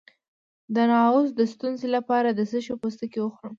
د نعوظ د ستونزې لپاره د څه شي پوستکی وخورم؟